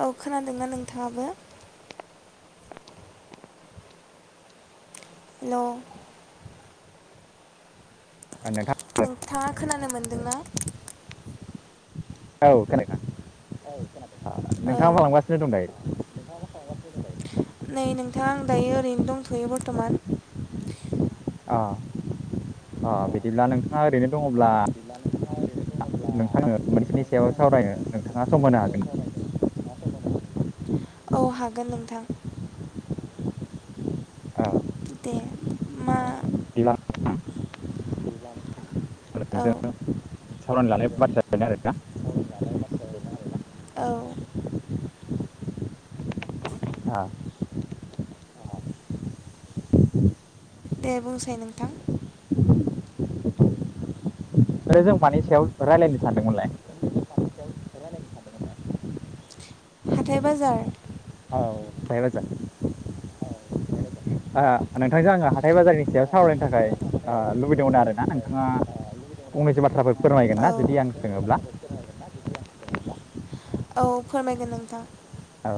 औ खोनादोंना नोंथाङाबो हेलौ [unintelligible] नोंथाङा खोनानो मोनदोंना औ [unintelligible] नोंथाङा औ मा खालामगासिनो दं दायो? नै नों थां आं दायो ओरैनो दंथयो बरथमान अ अ बिदिब्ला नोंथाङा ओरैनो दङब्ला [unintelligible] सावरायनो नोंथाङा सम होनो हागोन औ हागोन नोंथां औ दे मा बिदिब्ला नोंथां जों औ सावरायनो लानाय बाथ्राया बेनो आरोना औ [unintelligible] दे बुंसाय नोंथां [inaudible] जों मानि सायाव रायलायनो सानदोंमोनलाय? हाथाय बाजार औ हाथाय बाजार ओ नोंथांजों आङो हाथाय बाजारनि सायाव सावरायनो थाखाय ओ लुबैदोंमोन आरोना नोंथाङा फंनैसो बाथ्राफोर फोरमायगोन औ ना जुदि आं सोङोब्ला? औ फोरमाय नोंथां औ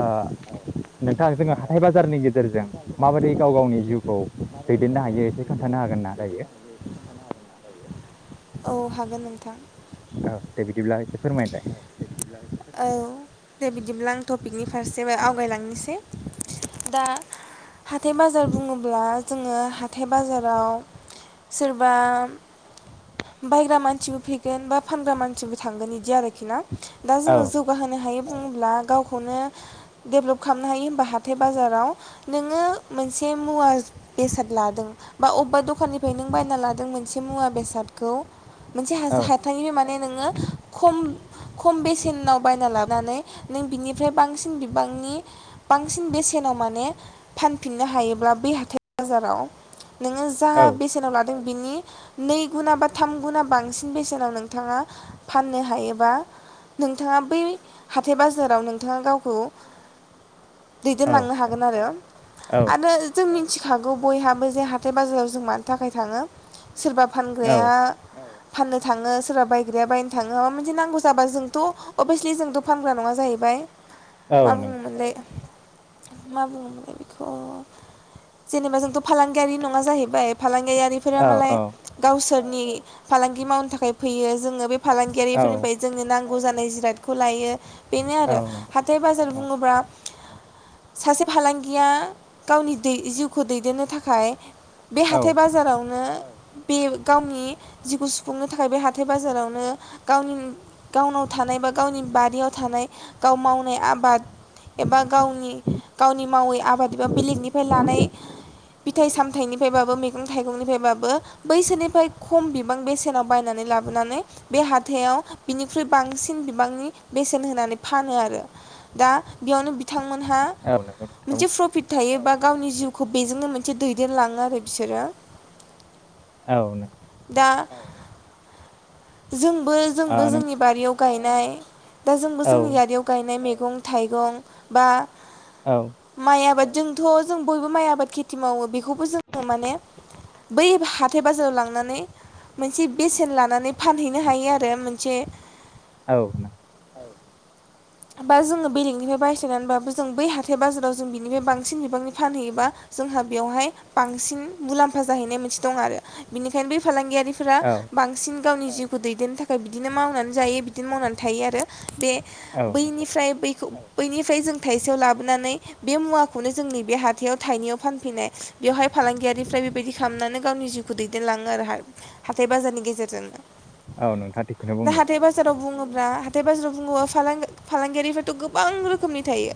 आ ओ नोंथां जोङो हाथाय बाजारनि गेजेरजों माबोरै गाव गावनि जिउखौ दैदेननो हायो एसे खोन्थानो हागोन ना दायो? औ हागोन नोंथां औ दे बिदिब्ला एसे फोरमायलाय? औ दे बिदिब्ला आं टपिकनि फारसे आवगायलांनोसै दा हाथाय बाजार बुङोब्ला जोङो हाथाय बाजाराव सोरबा बायग्रा मानसिबो फैगोन बा फानग्रा मानसिबो थांगोन बिदि आरोखि ना? दा औ जोङो जौगाहोनो हायो। जेनेब्ला गावखौनो डेभल्प खालामनो हायो होनबा हाथाय बाजाराव नोङो मोनसे मुवा बेसाद लादों बा अबेबा दखाननिफ्राय नों बायना लादों मोनसे मुवा बेसादखौ मोनसे औ हाथायनिनो माने नोङो खम खम बेसेनाव बायना लानानै नों बिनिफ्राय बांसिन बिबांनि बांसिन बेसेनाव माने फानफिननो हायोब्ला बै हाथाय बाजाराव नोङो जा औ बेसेनाव लादों बिनि नै गुना बा थाम गुना बांसिन बेसेनाव नोंथाङा फाननो हायोबा नोंथाङा बै हाथाय बाजाराव नोंथाङा गावखौ औ दैदेनलांनो हागोन आरो औ आरो जोंनि मिथिखागौ बयहाबो जे हाथाय बाजाराव जों मानि थाखाय थाङो सोरबा फानग्राया औ फाननो थाङो सोरबा बायग्राया बायनो थाङो माबा मोनसे नांगौ जाबा जोंथ' अबियसलि जोंथ' फानग्रा नङा जाहैबाय मा औ बुङो नंगौ मोनलाय? मा बुङोमोनलाय बेखौ जेनेबा जोंथ' फालांगियारि नङा जाहैबाय फालांगि मारि फोरा औ मालाय औ गावसोर नि फालांगि मावनो थाखाय फैयो जोङो बे औ फालांगियारिफोरनि जोंनो नांगौ जा जिरादखौ लायो। बेनो औ आरो नंगौ हाथाय बाजार औ बुङोब्ला सासे फालांगिया गावनि दै जिउखौ दैदेननो थाखाय बे औ हाथाय बाजारावनो बिउ गावनि जिगु सुफुंनो थाखाय बे हाथाय बाजारावनो गाव गावनाव थानाय बा गावनि बारियाव थानाय गाव मावनाय आबाद एबा गावनि गावनि मावै आबाद एबा बेलेगनिफाय लानाय बिथाइ सामथायाइनिफायबाबो मैगं थाइगंनिफायबाबो बैसोनिफाय खम बिबां बेसेनाव बायनानै लाबोनानै बे हाथायाव बिनिख्रुइ बांसिन बिबांनि बेसेन होनानै फानो आरो। दा बेयावनो बिथां थांमोनहा औ नंगौ नोंथां औ नंगौ मोनसे प्रफिट थायो बा गावनि जिउखौ बेजोंनो मोनसे दैदेनलाङो आरो बिसोरो । औ नोंगौ दा जों बो जोंबो नों जोंनि बारियाव गायनाय दा जोंबो औ जोंनि गारियाव गायनाय मे गं थाइगं बा औ माइ आबाद जोंथ' जों बयबो माइ आबाद खेथि मावो बि खौबो जोङो माने बै हाद थाय बाजाराव लांनानै मोनसे बेसेन लानानै फानहैनो हायो आरो मोनसे औ नों बा जोङो बेरेकनिफाय बायस्लायनानैबाबो जों बै हाथाय बाजाराव जों बिनिफाय बांसिन बिबांनि फानहैयोबा जोंहा बेवहाय बांसिन मुलाम्फा जाहैनाय मोनसे दं आरो। बेनिखायनो बे फालांगि फोरा बांसिन गावनि जिउखौ दैदेननो थाखाय बिदिनो मावनानै जायो बिदिनो मावनानै थायो आरो बे औ नंगौ बैनिफ्राय बैखौ बैनिफ्राय जों थाइसेयाव लाबोनानै बे मुवाखौनो जोंनि बे हाथायाव थाइनैयाव फानफैनाय बेवहाय फालांगियारिफ्राय बेबायदि खालामनानै गावनि जिउखौ दैदेनलाङो आरो हाइ हाथाय बाजारनि गेजेरजों औ नोंथाङा थिगखौनो । दा बुंदों हाथाय बाजाराव बुङो बा हाथाय बाजाराव बुङोबा फालां फालांगियारिफोरथ' गोबां रोखोमनि थायो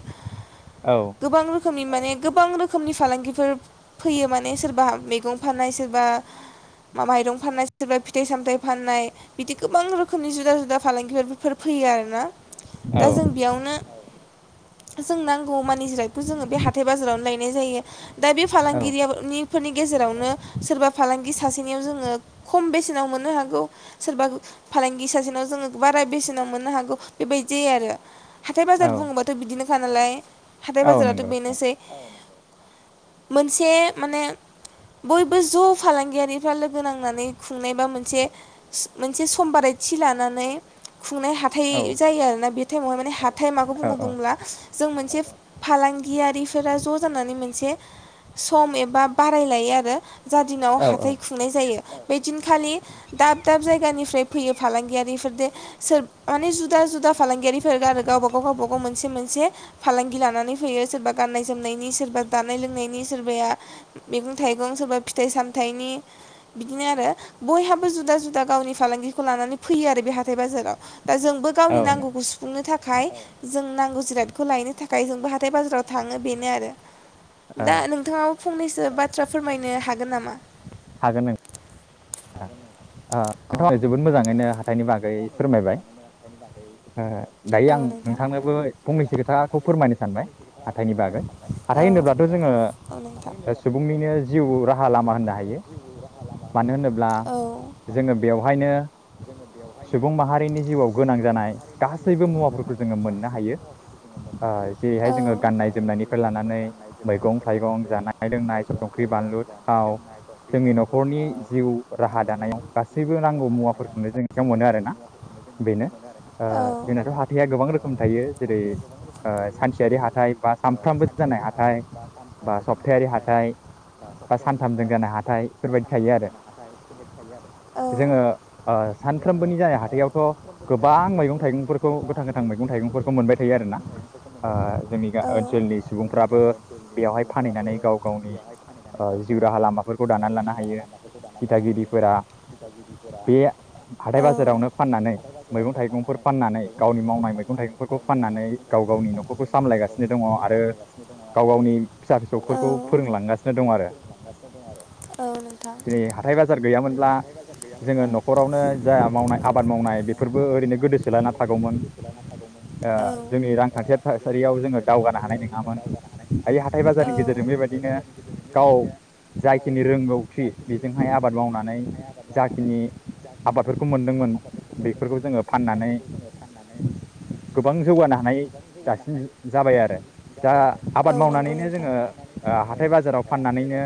औ गोबां खोमनि माने गोबां रोखोमनि फालांगिफोर फैयो माने सोरबा मैगं फाननाय सोरबा माइरं फाननाय सोरबा फिथाइ सामथायाइ फाननाय बिदि गोबां रोखोमनि जुदा जुदा फालांगिफोरफोर फैयो आरो ना । औ दा जों बेयावनो जों नांगौ मानि जिरादखौ जोङो बे हाथाय बाजारावनो लायनाय जायो । दा बे औ फालांगिरिया नि फोरनि गेजेरावनो सोरबा फालांगि सासेनियाव जोङो खम बेसेनाव मोननो हागौ सोरबा फालांगि सासेनाव जोङो बारा बेसेनाव मोननो हागौ बेबायजि जायो आरो । हाथाय औ बाजार बुङोबाथ' बिदिनो फानालाय हाथाइ औ बाजाराथ' नंगौ औ बेनोसै। मोनसे माने बयबो ज' फालांगियारिफ्रा लोगो नांनानै खुंनाय बा मोनसे मोनसे सम बारायथि लानानै खुंनाय औ हाथाय दंना बे टाइमाव माने हाथ थाइ माखौ औ बुङो बुंब्ला जों मोनसे फालांगियारिफोरा ज' जानानै मोनसे सम एबा बाराय लायो आरो जा दिनाव औ हाथाय खुंनाय जायो। बे दिनखालि दाब दाब जायगानिफ्राय फैयो फालांगियारिफोरदे सोर माने जु जुदा जुदा फालांगियारिफोर आरो गावबा गाव गावबा गाव मोनसे मोनसे फालांगि लानानै फैयो। सोरबा गाननाय जोमनायनि, सोरबा जानाय लोंनायनि, सोरबाया मैगं थाइगं, सोरबा फिथाइ सामथाइनि बिदिनो आरो बयहाबो जुदा जुदा गावनि फालांगिखौ लानानै फैयो आरो बे हाथाइ बाजाराव। दा जों गावनि नांगौखौ सुफुंनो था खाय जों नांगौ जिरादखौ लायनो थाखाय जोंबो हाथाय बाजाराव थाङो बेनो आरो। दा औ नोंथाङाव फंनैसो बाथ्रा फोरमायनो हागोन नामा? हागोन ओं। हागोन ओं। ओ नोंथांथ जोबोद मोजाङैनो हाथाइनि बागै फोरमायबाय। ओ दायो आं औ नोंथांनोबो फंनैसो खोथाखौ फोरमायनो सानबाय नोंथां हाथाइनि बागै हाथाइ होनोब्लाथ' जोङो औ ओ, सुबुंनिनो जिउ राहा लामा होननो नोंथां हायो मानो होनोब्ला औ जोङो बेवहायनो सुबुं माहारिनि जिउआव गोनां जानाय गासैबो मुवाफोरखौ जोङो मोननो हायो ओ औ जेरैहाय जोङो गाननाय जोमनायनिफ्राय लानानै मैगं थाइगं, जानाय लोंनाय, संख्रि, बानलु, थाव जोंनि न'खरनि जिउ राहा दानायाव गासैबो नांगौ मुवाफोरखौनो जोङो बेयाव मोनो आरो ना। बे ओ जोंनाथ' हाथाइया गोबां रोखोम थायो जेरै सानसेयारि हाथाइ बा सामफ्रामबो जानाय हाथाइ बा सप्तायारि हाथाइ बा सानथामजों जानाय हाथाइ बेफोरबायदि थायो आरो औ जोङो ओ सानफ्रोमबोनि जानाय हाथायावथ' गोबां मैगं थाइगंफोरखौ गोथां गोथां मैगं थाइगंफोरखौ मोनबाय थायो आरोना ओ जोंनि औ ओनसोलनि सुबुंफ्राबो बेयावहाय फानहैनानै गाव गावनि ओ जिउ राहा लामाफोरखौ दानानै लानो हायो। दिथागिरिफोरा बे हाथाय बाजारावनो फाननानै मैगं फोरावनो थाइगंफोर फाननानै मैगं गावनि थाइगंफोर मावनाय मैगं फाननानै थाइगंफोरखौ गाव मावनाय फाननानै मैगं गाव थाइगंफोर गावनि न'खरखौ फाननानै गाव सामलायगासिनो गावनि दङ नखरखौ आरो सामलायगासिनो दङ' गाव आरो गावनि फिसा औ गाव फिसौफोरखौ गावनि फिसा फोरोंलांगासिनो फिसौखौ दं आरो फोरोंलांगासिनो दङ' आरो औ नोंथां दिनै हाथाय बाजार दिनै गैयामोनब्ला हाथाइ बाजार जोङो गैयामोनब्ला न'खरावनो जा मावनाय आबाद मावनाय बेफोरबो ओरैनो गोदोसोलाना थागौमोन। ओ जोंनि रांखान्थिया थासारियाव जोङो दावगानो हानाय नङामोन। दायो हाथाय बाजारनि गेजेरजों बेबायदिनो गाव औ जाखिनि रोंगौथि बेजोंहाय आबाद मावनानै जाखिनि आबादफोरखौ मोनदोंमोन बेफोरखौ जोङो फाननानै गोबां जौगानो हानाय दासिम जाबाय आरो दा औ आबाद मावनानैनो जोङो ओ हाथाय बाजाराव फाननानैनो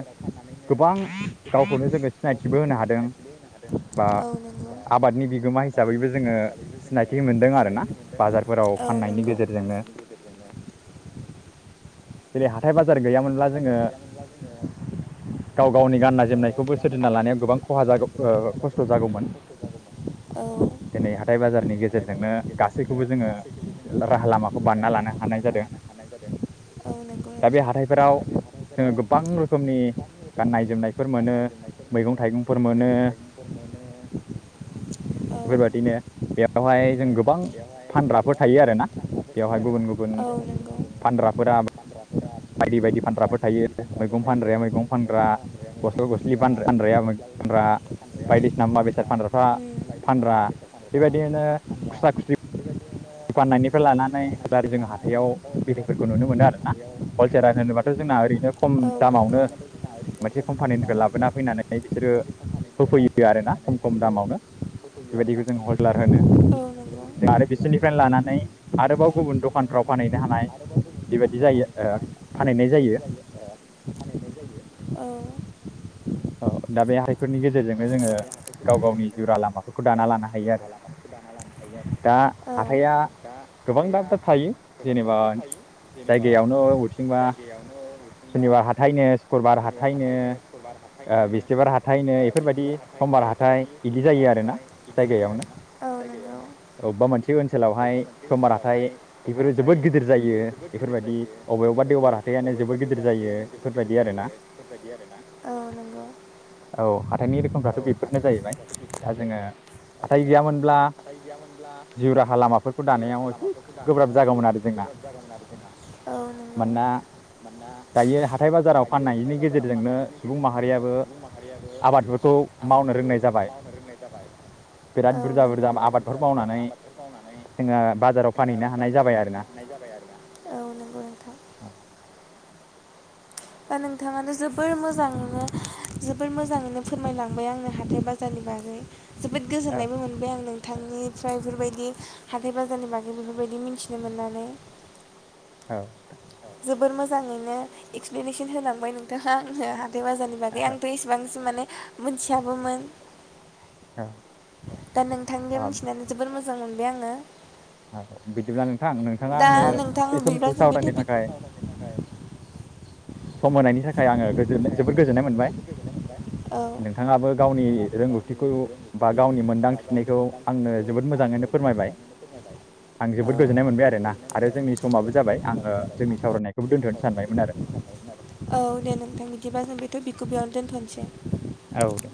गोबां गावखौनो जोङो सिनायथिबो होनो हादों। बा औ आबादनि बिगोम हिसाबैबो जोङो सिनायथि मोनदों आरोना बाजारफोराव फाननायनि गेजेरजोंनो जेरै हाथाय बाजार गैयामोनब्ला जोङो गाव गावनि गाननाय जोमनायखौबो सोरजिना लानायाव गोबां खहा जागौ ओ स्थ' जागौमोन। औ दिनै हाथाय बाजारनि गेजेरजोंनो गासैखौबो जोङो राहा लामाखौ बानायना लानो हानाय जादों। औ नंगौ दा बे नोंथां हाथाइफोराव जोङो गोबां रोखोमनि गाननाय जोमनायफोर मोनो। मैगं थाइगंफोर मोनो। [inaudible] औ इफोरबादिनो बेयाव बेवहाय जों गोबां फानग्राफोर थायो आरोना बेवहाय गुबुन गुबुन फानग्राफोरा बायदि बायदि फानग्राफोर थायो मैगं फानग्राया मैगं फानग्रा गस्ला' गस्लि फानग्राया मैं फानग्रा बायदिसिना मुवा बेसाद फानग्राफ्रा फानग्रा बेबायदिनो खुस्रा खुस्रि फाननायनिफ्राय लानानै जारि जोङो हाथायाव बिदैफोरखौ नुनो मोनो आरोना हलसेलार होनोबाथ' जोंना ओरैनो खम दामावनो मोनसे कम्पानिनि औ नंगौ लाबोना फैनानै बिसोरो होफैयो आरो ना खम खम दामावनो बेबायदिखौ जों हलसेलार होनो। औ नंगौ आरो बिसो निफ्रायन लानानै आरोबाव गुबुन दखानफ्राव फानहैनो हानाय बेबायदि जायो ओ फानहैनाय जायो। औ औ दा बे हाथाइफोरनि गेजेरजोंनो जोङो गाव गावनि जिउ राहा लामाफोरखौ दाना लानो हायो आरो दा हाथाइआ गोबां दाब दाब थायो जेनेबा जायगायावनो अबेथिंबा सनिबार हाथायनो सुक्रबार हाथायनो ओ बिस्थिबार हाथाय नो इफोरबायदि समबार हाथाय इदि जायो आरोना जायगायावनो औ अबबा मोनसे ओनसोलावहाय समबार हाथाइ इफोरो जोबोद गिदिर जायो इफोरबायदि अबेयावबा देवबार हाथायानो जोबोद गिदिर जायो फोरबायदि आरोना औ नंगौ औ नंगौ औ हाथायनि रोखोमफ्राथ' बेफोरनो जाहैबाय दा जोङो हाथाय गैयामोनब्ला जिउ राहा लामाफोरखौ दानायाव एसे गोब्राब जागौमोन आरो जोंना औ नंगौ मानोना दायो हाथाय बाजाराव फाननायनि गेजेरजोंनो सुबुं माहारियाबो आबादफोरखौ मावनो रोंनाय जाबाय बिराद औ बुरजा नंगौ बुरजा आब आबादफोर मावनानै जोङो बाजाराव फानहैनो हानाय बाजाराव जाबाय आरोना फानहैनो हानाय जाबाय आरोना। [inaudible] दा नोंथाङानो जोबोर मोजाङैनो जोबोर मोजाङैनो फोरमायलांबाय आंनो हाथाय बाजारनि बागै। जोबोद औ गोजोननायबो मोनबाय आं नों नोंथांनिफ्राय इफोरबायदि हाथाय बाजारनि बागै बेफोरबायदि मिथिनो मोननानै। औ जोबोर मोजाङैनो एक्सप्लेनेसन होलांबाय नोंथाङा आंनो हाथाइ बाजारनि बागै आंथ' इसेबांसिम माने मोनथियाबोमोन। औ दा नोंथांनियाव औ मिथिनानै जोबोद मो जां मोनबाय आङो औ बि दा नोंथां बिबा जों बे सावरायनो टपिक थाखाय सम होनायनि थाखाय आङो गोजोन जोबोद गोजोननाय मोनबाय। औ नोंथाङाबो गावनि रोंगौथिखौ बा गावनि मोनदांथिनायखौ आंनो जोबोद मोजाङैनो फोरमायबाय। आं औ जोबोद गोजोननाय मोनबाय आरो ना आरो जोंनि समाबो जाबाय आङो जोंनि सावरायनायखौबो दोनथ' सानबायमोन आरो औ दे नोंथां बिदिबा जों बे टफिकखौ बेयावनो दोनथ'नोसै। दे नोंथां।